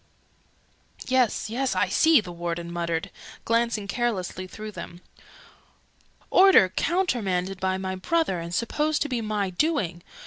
"Yes, yes, I see!" the Warden muttered, glancing carelessly through them. "Order countermanded by my brother, and supposed to be my doing!